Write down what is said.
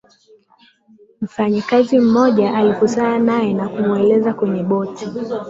mfanyikazi mmoja alikutana naye na kumuelekeza kwenye boti